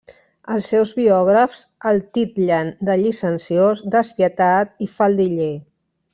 Els seus biògrafs el titllen de llicenciós, despietat i faldiller.